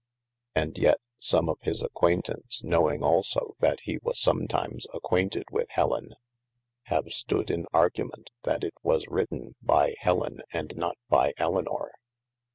And yet some of his acquaintaunce knowing also that he was sometimes acquainted with Hellen, have stoade in argument, that it was written by Hellen, & not by Elynor.